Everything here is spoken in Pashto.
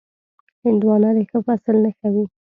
هندوانه د ښه فصل نښه وي.